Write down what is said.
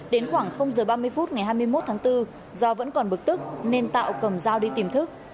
đến khoảng h ba mươi phút ngày hai mươi một tháng bốn do vẫn còn bực tức nên tạo cầm dao đi tìm thức